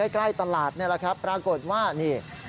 ใกล้ตลาดนี่แหละครับปรากฏว่านี่